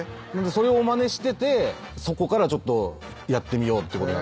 それをまねしててそこからちょっとやってみようということになって。